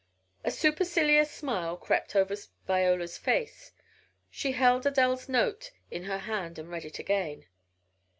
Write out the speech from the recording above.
A supercilious smile crept over Viola's face. She held Adele's note in her hand and read it again.